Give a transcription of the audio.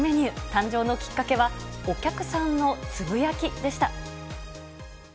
誕生のきっかけはお客さんのつぶやきでした。